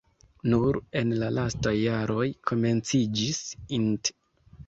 Nur en la lastaj jaroj komenciĝis int.